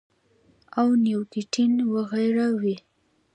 او نيکوټین وغېره وي -